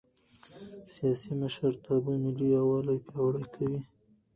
سیاسي مشرتابه ملي یووالی پیاوړی کوي